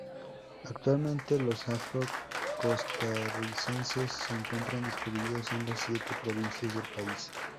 Actualmente los afro-costarricenses se encuentran distribuidos en las siete provincias del país.